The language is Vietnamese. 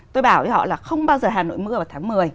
tôi bảo với họ là không bao giờ hà nội mưa vào tháng một mươi